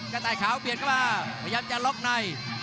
กระต่ายขาวเบียดเข้ามาพยายามจะล็อกใน